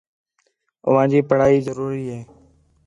اوانجی پڑھائی ضروری ہے